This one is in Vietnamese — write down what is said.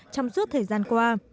trong suốt thời gian qua